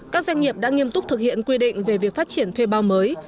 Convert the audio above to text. các doanh nghiệp đã nghiêm túc thực hiện quy định về việc phát triển thuê bao mới